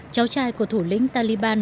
cháu trai của thủ lĩnh taliban